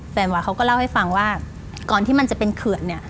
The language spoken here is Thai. หวาเขาก็เล่าให้ฟังว่าก่อนที่มันจะเป็นเขื่อนเนี่ย